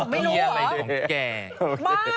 พี่เขาเล่นไงหนุ่มไม่รู้หรอ